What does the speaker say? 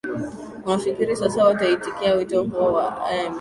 unafikiria sasa wataitikia wito huo wa imf